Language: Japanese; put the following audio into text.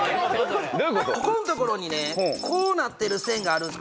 ここんところにねこうなってる線があるんです